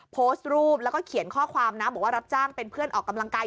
โพสต์รูปแล้วก็เขียนข้อความนะบอกว่ารับจ้างเป็นเพื่อนออกกำลังกาย